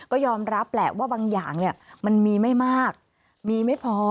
ก็ยอมรับแหละว่าบางอย่างมันมีไม่มากมีไม่พอ